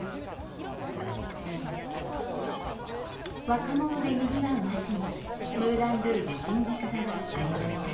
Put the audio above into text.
若者でにぎわう街にムーラン・ルージュ新宿座はありました。